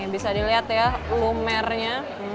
bisa dilihat ya lumernya